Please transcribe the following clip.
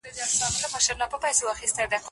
څوك به غوږ نيسي نارو ته د بې پلارو